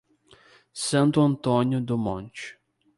Santo Antônio do Monte